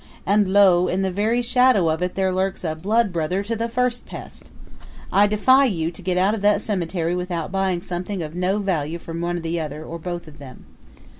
] and lo, in the very shadow of it there lurks a blood brother to the first pest! I defy you to get out of that cemetery without buying something of no value from one or the other, or both of them.